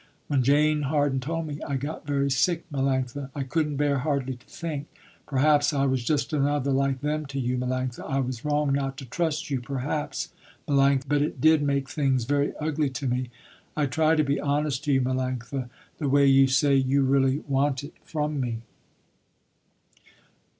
When Jane Harden told me, I got very sick, Melanctha. I couldn't bear hardly, to think, perhaps I was just another like them to you, Melanctha. I was wrong not to trust you perhaps, Melanctha, but it did make things very ugly to me. I try to be honest to you, Melanctha, the way you say you really want it from me."